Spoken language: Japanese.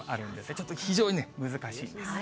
ちょっと非常にね、難しいんです。